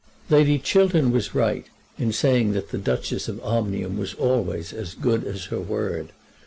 Lady Chiltern was right in saying that the Duchess of Omnium was always as good as her word.